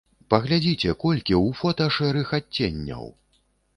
Паглядзіце, колькі ў фота шэрых адценняў!